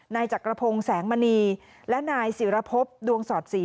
นายจักรพงศ์แสงมณีและนายศิรพบดวงสอดศรี